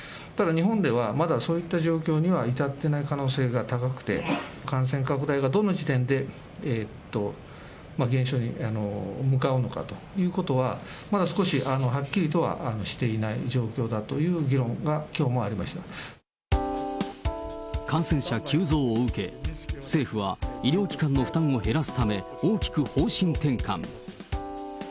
ただ日本では、まだそういった状況には至っていない可能性が高くて、感染拡大がどの時点で減少に向かうのかということは、まだ少しはっきりとはしていない状況だという議論がきょうもあり感染者急増を受け、政府は医療機関の負担を減らすため、大きく方針転換。